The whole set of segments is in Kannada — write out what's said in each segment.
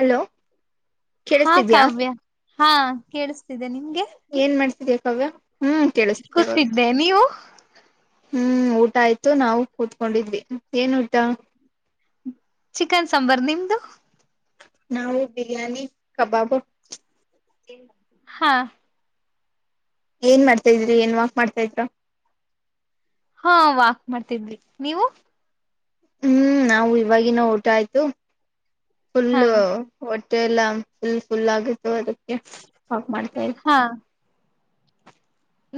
ಹಲೋ ಹಾ ಕೇಳಿಸ್ತಿದ್ಯಾ ಕಾವ್ಯ ಹಾ ಕೇೇಳಿಸಸ್ತಿದ್ದೆ ನಿಮ್ಗೆ ಏನ್ ಮಾಡ್ತಿದೆ ಕಾವ್ಯ ಹ್ಮ್ ಕೇಳಿಸ್ತಿದೆ ಇವಾಗ ಕೂತಿದೆ ನೀವು ಹ್ಮ್ ಊಟ ಆಯ್ತು ನಾವು ಕೂತ್ಕೊಂಡಿದ್ವಿ ಏನ್ ಊಟ ಚಿಕನ್ ಸಾಂಬಾರ್ ನಿಮ್ದು ನಾವು ಬಿರಿಯಾನಿ ಕಬಾಬು ಹಾ ಏನ್ ಮಾಡ್ತಾ ಇದ್ರಿ ಏನ್ ವಾಕ್ ಮಾಡ್ತಾದ್ರ ಹಾ ವಾಕ್ ಮಾಡ್ತಿದ್ರಿ ನೀವು ಹ್ಮ್ ನಾವು ಇವಾಗಿವಾಗಿನ ಊಟ ಆಯ್ತು ಹಾ ಫುಲ್ಲು ಹೊಟ್ಟಿ ಹೊಟ್ಟೆ ಎಲ್ಲಾ ಫುಲ್ ಫುಲ್ ಆಗಿದೆ ಅದಕ್ಕೆ ವಾಕ್ ಮಾಡ್ತಾಯಿದೆ ಹಾ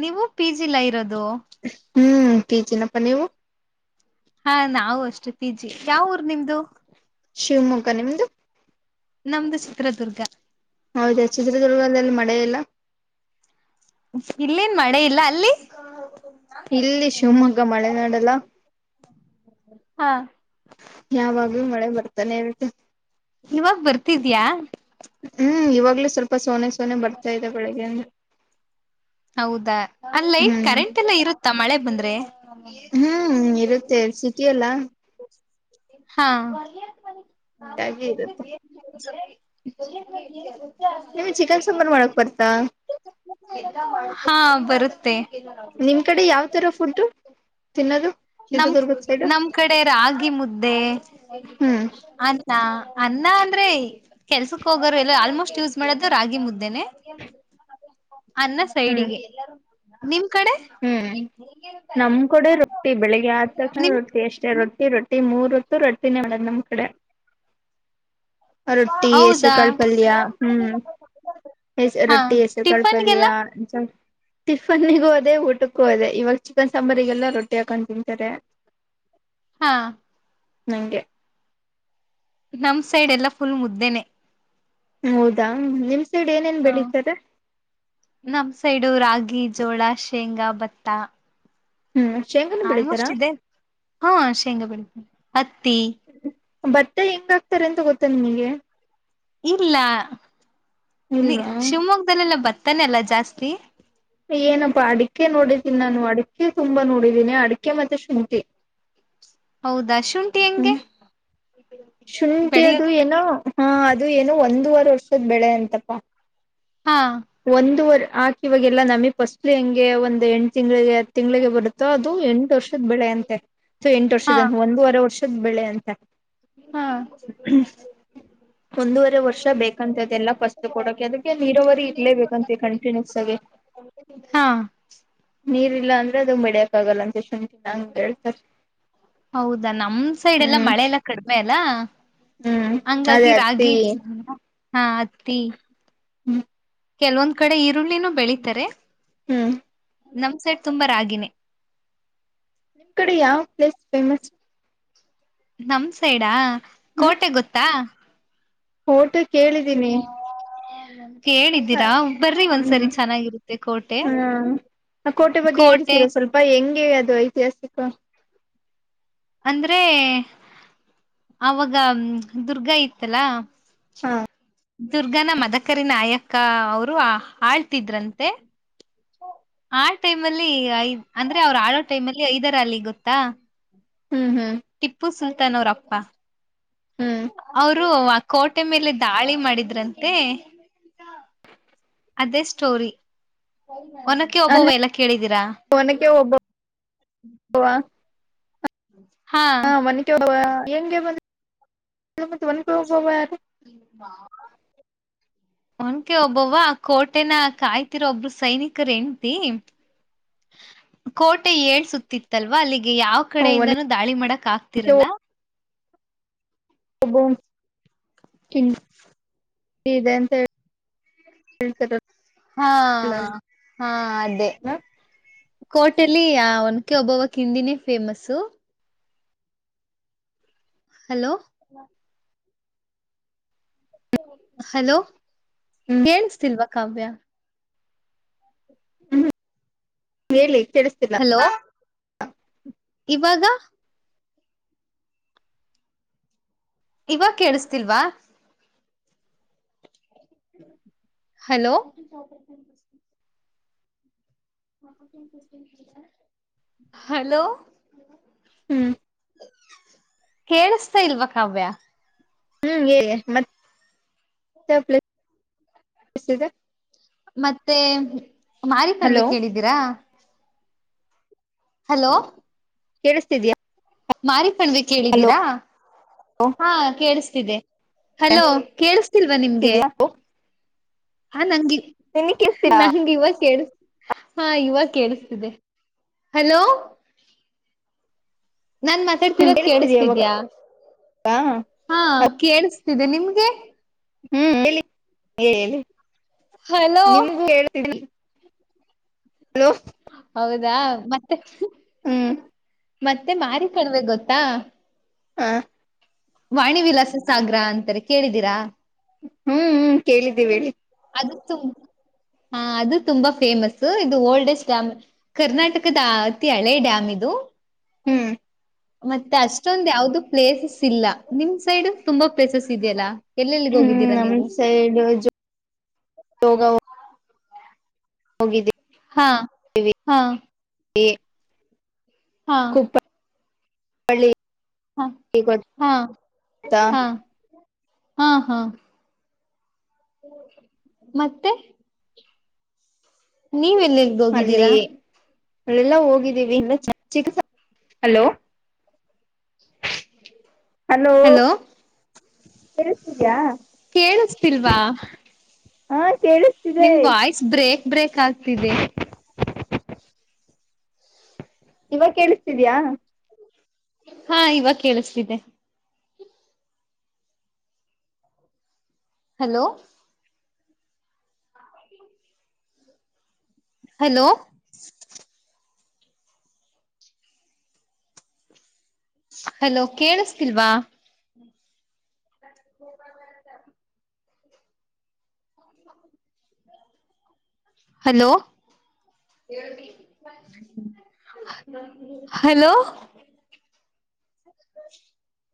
ನೀವು ಪಿ ಜಿ ಲಇರೋದು ದು ಹ್ಮ್ ಪಿ ಜಿ ನಪ್ಪ ನೀವು ಹಾ ನಾವು ಅಷ್ಟೆ ಪೀಜಿ ಯಾವ ಊರ್ ನಿಮ್ದು ಶಿವಮೊಗ್ಗ ನಿಮ್ದು ನಮ್ದು ಚಿತ್ರದುರ್ಗ ಹೌದಾ ಚಿತ್ರದುರ್ಗದಲ್ಲಿದಲ್ಲಿ ಮಳೆೆಯಲ್ಲ ಇಲ್ಲೇನ್ ಮಳೆ ಇಲ್ಲ ಅಲ್ಲಿ ಇಲ್ಲಿ ಶಿವಮೊಗ್ಗ ಮಳೆನಾಡಲ್ಲ ಹಾಂ ಯಾವಾಗ್ಲೂ ಮಳೆ ಬರ್ತಾನೆ ಇರುತ್ತೆ ನೀವಾಗ ಬರ್ತಿದ್ಯಾ ಹ್ಮ್ ಇವಾಗ್ಲೂ ಸ್ವಲ್ಪ ಸೋನೆ ಸೋನೇ ಸೋನೇ ಬರ್ತಾ ಇತೆ ಬೆಳಗೆಯಿಂದ ಹೌದಾ ಅಲ್ಲೈಟ್ ಹ್ಮ್ ಕರೆಂಟ್ ಎಲ್ಲ ಇರುತ್ತಾ ಮಳೆ ಬಂದ್ರೆ ಹ್ಮ್ ಇರುತ್ತೆ ಸಿಟಿ ಎಲ್ಲ ಹಾ ಹಂಗಾಗಿ ಇರುತ್ತೆ [inaudible] [inaudible] ನಿಮಗೆ ಚಿಕನ್ ಸಾಂಬರ್ ಮಾಡಕ್ ಬರುತ್ತಾ ಹಾ ಬರುತ್ತೆ ನಿಮ್ ಕಡೆ ಯಾವ ತರ ಫುಡ್ ತಿನ್ನೋದು ನಮ್ಮ್ ಚಿತ್ರದುರ್ಗದ ಸೈಡು ನಮ್ ಕಡೆ ರಾಗಿ ಮುದ್ದೆ ಹ್ಮ್ ಹ ಅನ್ನ ಅಂದ್ರೆ ಕೆಲ್ಸಕ್ ಹೋಗೋರು ಎಲ್ಲ ಆಲ್ಮೋಸ್ಟ್ ಯೂಸ್ ಮಾಡದು ರಾಗಿಮುದ್ದೆನೆ ಅನ್ನ ಹ್ಮ್ ಸೈಡಿಗೆ ನಿಮ್ಮ ಹ್ಮ್ ನಮ್ ಕಡೆ ರೊಟ್ಟಿ ಬೆಳಿಗ್ಗೆ ಆ ತಕ್ಷಣ ನಿಮ್ ರೊಟ್ಟಿ ಅಷ್ಟೇ ರೊಟ್ಟಿ ರೊಟ್ಟಿ ಕಡೆ ಮೂರ್ ಹೊತ್ತು ರೋಟಿನೇ ಮಾಡೋದು ನಮ್ ಕಡೆ ರೊಟ್ಟಿ ಹೌದಾ ಹೆಸರುಕಾಳು ಪಲ್ಯ ಹ್ಮ್ ಹಾ ರೊಟ್ಟಿ ಹೆಸ್ರು ಕಾಳ್ ಪಲ್ಯ ಟಿಫನ್ಗೆಲ್ಲ ಟಿಫನ್ ಗುಹು ಅದೇ ಊಟಕ್ಕೂ ಅದೆ ಇವಾಗ ಚಿಕನ್ ಸಾಂಬಾರಿಗೆಲ್ಲ ರೊಟ್ಟಿ ಹಾಕೊಂಡು ತಿಂತಾರೆ ಹಾ [inaudible] ನಿಂಗೆ [unintelligible] ನಮ್ ಸೈಡ್ ಎಲ್ಲಾ ಫುಲ್ ಮುದ್ದೆನೆ ಹೌದಾ ನಿಮ್ ಸೈಡ್ ಏನೇನ್ ಹಾ ಬೆಳಿತಾರೆ ನಮ್ ಸೈಡು ರಾಜ ಗಿಜೋಳ ಶೇಂಗಾ ಭತ್ತ ಹ್ಮ್ ಶೇಂಗಾನ ಬೆಳಿತಾರ ಆಲ್ಮೋಸ್ಟ್ ಇದೆ ಹಾ ಶೇಂಗಾ ಬಿ ಹತ್ ತ ಭತ್ತೆ ಹೆಂಗ ಆ್ತಾರೆ ಅಂತ ಗೊತ್ತ ನಿಮಗೆ ಇಲ್ಲ ನೀ ಇಲ್ವಾ ಶಿವಮೊಗ್ಗದಲ್ಲೆಲ್ಲಾ ಬರ್ ತಾನಲ್ಲ ಜಾಸ್ತಿ ಏನಪ್ಪಾ ಅಡಿಕೆ ನೋಡಿದ್ದೀನಿ ನಾನು ಅಡಿಕೆ ತುಂಬಾ ನೋಡಿದ್ದೀನಿ ಅಡಿಕೆ ಮತ್ತೆ ಶುಂಠಿ ಹೌದ ಅ ಶುಂಠಿ ಹೆಂಗೆ ಶುಂಠಿಯದು ಬೆಳೆಯೋದು ಏನೋ ಹಾ ಅದು ಏನೋ ಒಂದೂವರೆ ವರ್ಷದ್ ಬೆಳೆ ಅಂತಪಾ ಹಾ ಒಂದುವ ಆಾಕ ಇವಾಗೆಲ್ಲಾ ನಮಿ ಫಸ್ಟ್ಲಿ ಹೆಂಗೆ ಒಂದ ಎಂಟ್ ತಿಂಗ್ಳಿಗೆ ಹ ತಿಂಗಗಳಿಗೆ ಬರುತ್ತೆ ಸ ಅದು ಎಂಟು ವರ್ಷದ ಬೆಳೆ ಅಂತೆ ಸೊ ಎಂಟು ಹಾ ವರ್ಷದ ಒಂದೂವರೆ ವರ್ಷ ಸುದಬಳೆ ಅಂತ ಹಾ ಒಂದೂವರೆ ವರ್ಷ ಬೇಕಂತ ಅದೆಲ್ಲ ಫಸ್ಟ್ ಕೊಡಕೆ ಅದಕ್ಕೆ ನೀರಾವರಿ ಇರ್ಲೇಬೇಕಂತ ಕಂಟಿನ್ಯೂಸ್ ಆಗಿ ಹಾ ನೀರ್ ಇಲ್ಲ ಅಂದ್ರೆ ಅದು ಮಡಿಯಕಕ್ಕಗಲ್ಲ ಅ ಹೌದಾ ನಮ್ ಸೈಡ್ ಎಲ್ಲಾ ಹ್ಮ್ ಮಳೆ ಎಲ್ಲ ಕಡ ಆ ಮೇಲ ಹ್ಮ್ ಅದೇ ಹಂಗಾಗಿ ಅತ್ತಿ ರಾಗಿ ಇದ ಹಾ ಅತ್ತ ಹ್ಮ್ ಕೆಲವೊಂದ್ ಕಡೆ ಈರುಳ್ಳಿನೂ ಬೆಳೀಿತಾರೆ ಹ್ಮ್ ನಮ್ ಸೆಟ್ ತುಂಬಾ ರಾಗಿನೇ ನಿಮ್ ಕಡೆ ಯಾವ ಪ್ಲೇಸ್ ಫೇಮಸ್ ನಮ ಸೈಡಾ ಕೋಟೆ ಗೊತ್ತಾ ಊಟಕ್ಕ ಕೇಳಿದ್ದೀನಿ ಹ್ಮ ಕೇಳಿದ್ದೀರಾ ಬರ್ರಿ ಒಂದ ಸರಿ ಚೆನ್ನಾಗಿರುತ್ತೆ ಕೋಟೆ ಕೋಟೆ ಎಂಗೆ ಅದು ಐತಿಹಾಸಿಕ ಅಂದ್ರೆ ಅವಾಗ ದುರ್ಗಾ ಇತ್ತ ಅಲ್ಲಾ ಹಾ ದುರ್ಗನ ಮದಕರಿ ನಾಯಕ ಅವರು ಆಳ್ತಿದ್ರಂತೆ ಆ ಟೈಮ ಅಲ್ಲಿ ಐದ ಅಂದ್ರೆ ಅವ್ರು ಆಳೋ ಟೈಮ್ಲ್ಲಿ ಐದರ ಅಲ್ಲಿ ಗೊತ್ತಾ ಹ್ಮ್ ಹ್ಮ್ ಟಿಪ್ಪು ಸುಲ್ತಾನ್ ಅವರ ಅಪ್ಪ ಹ್ಮ್ ಅಪ್ಪಾ ಅವರು ಕೋಟೆ ಮೇಲೆ ದಾಳಿ ಮಾಡಿದ್ರ ಅಂತೆ ಅದೇ ಸ್ಟೋರಿ ಒನಕ್ಕೆ ಅಲ್ಲ ಓಬವ್ವ ಎಲ್ಲ ಕೇಳಿದ್ದೀರಾ ಒನಕೆ ಒಬ್ಬವ ಹಾ ಒನಕೆ ಓಬವ್ವ ಹೆಂಗೆ ಬಂದ ಒನಕೆ ಓಬವ್ವ ಯಾರ ಒನಕೆ ಓಬವ್ವ ಕೋಟೆನ ಕಾಯ್ತಿರೋ ಒಬ್ರು ಸೈನಿಕರ ಹೆಂಡತಿ ಕೋಟೆ ಏಳ ಸುತ್ತು ಇತ್ತ ಅಲ್ವ ಅಲ್ಲಿಗೆ ಹಾಗ ಯಾವ್ ಕಡೆಯಿಂದನೂ ದಾಳಿ ಮಾಡಕ್ ಒನಕೆ ಆಗ್ತಿರಲ್ಲ ಇಂಡ ಇದೆ ಅಂತೆ ಹೇಳತಾರೆ ಹಾ ಹಾ ಅದೆ ಕೋಟೆಲಿ ಒನಕೆ ಒಬ್ಬವನ ಕಿಂಡಿನೇ ಫೇಮಸ ಹಲೋ ಹಲೋ ಹ್ಮ್ ಕೇಳಸ್ತಿಲ್ವಾ ಕಾವ್ಯ ಹ್ಮ ಹೇಳಿ ಕೇಳಿಸ್ತಿಲ್ಲ ಹಲೋ ಹಾ ಇವಾಗ ಇವ ಗ ಕೇಳಸ್ತಿಲ್ವಾ ಹಲೋ ಹಲೋ ಹ್ಮ್ ಕೇೇಳಿಸತಾ ಇಲ್ವಾ ಕಾವ್ಯ ಹ್ಮ್ ಹೇಳಿ ಮತ್ತೆ ಯಾವ್ ಫೇಮಸ್ ಇದೆ ಮತ್ತೆ ಮಾರಿ ಕಣ್ವಿ ಹಲೋ ಕೇಳಿದ್ದೀರಾ ಹಲೋ ಕೇಳಿಸ್ತಿದೆಯಾ ಮಾರಿ ಕಣ್ವಿ ಕೇಳಿದ್ದೀರಾ ಹಾ ಕೇಳಸ್ ಇದೆ ಹಲೋ ಕೇಳಸ್ತಿಲ್ವಾ ನಿಮ್ಗೆ ಇದ್ಯಾ ಹಾ ನಂಗೆ ನಿನ್ ಕೇಳ್ಸ್ತೀರಾ ನಂಗೆ ಈವಾಗ ಕೇಳಿ ಹಾ ಇವಾಗ ಕೇಳಿಸ್ತಿದೆ ಹಲೋ ನಾನ್ ಹ್ಮ್ ಮಾತಾಡ್ತಿರೋದ್ ಕೇಳಿಸ್ತಿದೀಯ ಇವಾಗ ಕೇಳಸ್ತಿದ್ಯಾ ಹಾ ಕೇಳಿಸ್ತಾ ಕೇಳ್ಸಿತಿದೆ ನಿಮಗೆ ಹ್ಮ್ ಹೇಳಿ ಹೇಳ ಹೇಳಿ ಹಲೋ ನಿಮಗೂ ಹೇಳ್ತಿ ಹಲೋ ಹೌದಾ ಮತ್ತೆ ಹ್ಮ್ ಮತ್ತೆ ಮಾರೀಕಣವೆ ಗೊತ್ತಾ ಹ ವಾಣಿ ವಿಲಾಸ ಸಾಗರ ಅಂತಾರೆ ಕೇಳಿದೀರ ಹ್ಮ್ ಹ್ಮ್ ಕೇಳಿದ್ದೀವಿ ಹೇಳಿ ಅದು ಹ ಅದು ತುಂಬಾ ಫೇಮಸ್ ಇದು ಓಲ್ಡೆಸ್ಟ್ ಡ್ಯಾಮ್ ಕರ್ನಾಟಕದ ಅತಿ ಹಳೇ ಡ್ಯಾಮ್ ಇದು ಹ್ಮ್ ಮತ್ತೆ ಅಷ್ಟೊಂದ ಯಾವ್ದು ಪ್ಲೇಸಸ್ ಇಲ್ಲ ನಿಮ್ ಸೈಡ್ ತುಂಬಾ ಪ್ಲೇಸಸ್ ಇದೆಯಲ್ಲಾ ಎಲ್ಲೆಲ್ಲಿಗ್ ಹ್ಮ್ ಹೋಗಿದ್ದೀರಾ ನಮ ನೀವು ಸೈಡ್ ಜೋಗ ಜೋಗ ಹೋಗಿದ್ದೀವಿ ಹಾ ಹಾ ಹೇ ಹಾ ಪಳ್ಳಿ ಹಾ ಹಾ ಗೊತ್ತಾ ಹಾ ಹಾ ಹಾ ಮತ್ತೆ ನೀವೆ ಎಲ್ಲಿಎಲ್ಲಿಗೆ ಹೋಗಿದ್ದೀರ ಅಲ್ಲೆಲ್ಲ ಹೋಗಿದ್ದೀವಿ ಇನ್ನ ಹಲೋ ಹಲೋ ಕೇಳಿಸ್ತಿದಿಯ ಕೇಳಿಸತಿಲ್ವಾ ಹಾ ಕೇಳಿಸ್ತಿದೆ ನಿಮ್ ವಾಯ್ಸ್ ಬ್ರೇಕ್ ಬ್ರೇಕ್ ಆಗ್ತಿದೆ ಈವಾಗ ಕೇಳಿಸ್ತಿದಿಯ ಹಾ ಇವಾಗ ಕೇಳಿಸ್ತಿದೆ hello hello hello ಕೇಳಿಸತಿಲ್ವಾ [unintelligible] [inaudible] hello hello [inaudible]